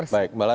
baik mbak lana